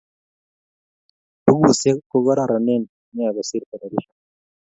Bukusiek cko kokaroronen nea kosir teleshen